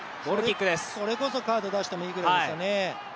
これこそカード出してもいいぐらいですよね。